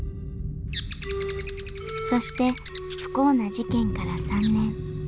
そして不幸な事件から３年。